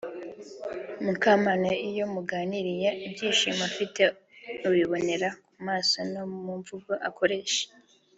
Mukamana iyo muganiriye ibyishimo afite ubibonera ku maso no mu mvugo akoresha